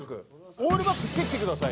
オールバックしてきて下さい。